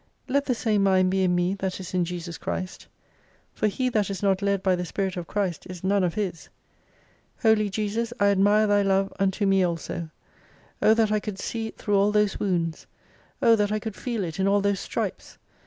Let the same mind be in me that is in Jesus Christ. For he that is not led by the spirit of Christ is none of His. Holy Jesus I admire Thy love unto me also. O that I could see it through all those wounds ! O that I could feel it in all those stripes